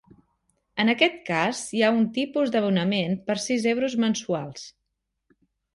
En aquest cas hi ha un tipus d'abonament per sis euros mensuals.